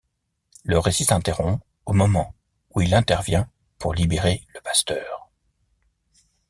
Le récit s'interrompt au moment où il intervient pour libérer le pasteur.